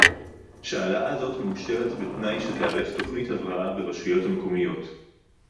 שההעלאה הזאת מאושרת בתנאי שתיערך תוכנית הבראה ברשויות המקומיות